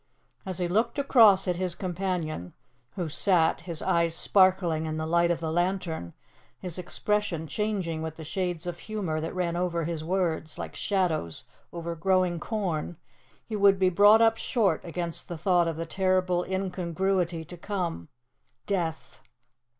As he looked across at his companion, who sat, his eyes sparkling in the light of the lantern, his expression changing with the shades of humour that ran over his words, like shadows over growing corn, he would be brought up short against the thought of the terrible incongruity to come death.